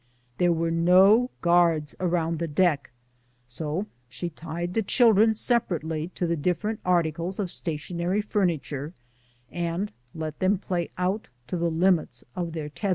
There were no guards around the deck, so she tied the children separately to the dif ferent articles of stationary furniture, and let them play out to the limits of their tethers.